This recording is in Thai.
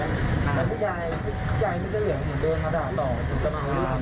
แล้วเขาก็เดินหาไปคับคับคับตอนนี้มา๓คน